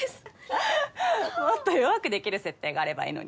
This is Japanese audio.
ははっもっと弱くできる設定があればいいのに。